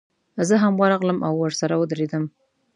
زه هم ورغلم او ورسره ودرېدم.